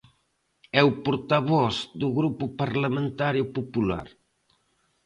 É o portavoz do Grupo Parlamentario Popular.